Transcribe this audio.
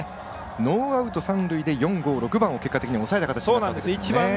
ノーアウト、三塁で４、５、６番を結果的には抑えた形になりましたよね。